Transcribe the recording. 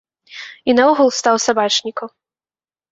І наогул стаў сабачнікам.